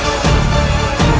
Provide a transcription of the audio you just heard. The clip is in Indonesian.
ketika kanda menang kanda menang